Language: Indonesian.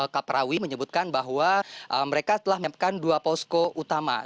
kak prawi menyebutkan bahwa mereka telah menyiapkan dua posko utama